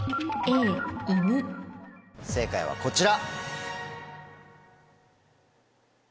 正解はこちら。